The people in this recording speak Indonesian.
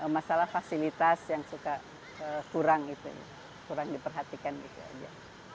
masalah fasilitas yang suka kurang gitu kurang diperhatikan gitu aja